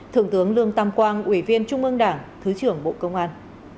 thượng tướng lương tam quang ủy viên trung ương đảng thứ trưởng bộ công an